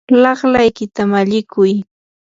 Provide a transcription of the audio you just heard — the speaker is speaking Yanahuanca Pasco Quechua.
laqlaykita mallikuy.